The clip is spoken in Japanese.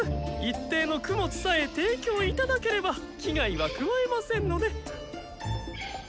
一定の供物さえ提供頂ければ危害は加えませんので。